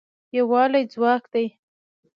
یووالی ځواک دی